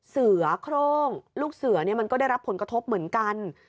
เสือโครงลูกเสือมันก็ได้รับผลกระทบเหมือนกัน